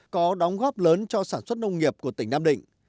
có đóng góp lớn cho sản xuất nông nghiệp của tỉnh nam định